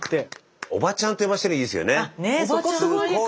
おばちゃんって呼ばしてるのいいですよね。